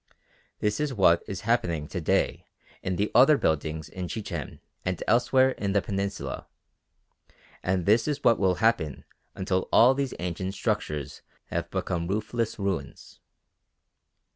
This is what is happening to day in the other buildings in Chichen and elsewhere in the Peninsula; and this is what will happen until all these ancient structures have become roofless ruins.